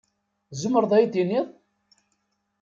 Tzemreḍ ad yi-d-tiniḍ?